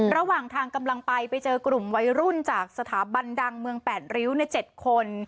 ระหว่างทางกำลังไปไปเจอกลุ่มวัยรุ่นจากสถาบันดังเมือง๘ริ้ว๗คน